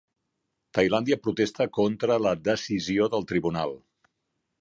Tailàndia protesta contra la decisió del tribunal